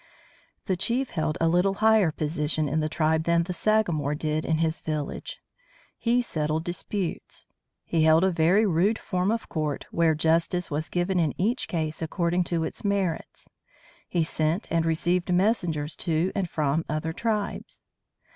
The chief held a little higher position in the tribe than the sagamore did in his village. He settled disputes. He held a very rude form of court, where justice was given in each case according to its merits. He sent and received messengers to and from other tribes.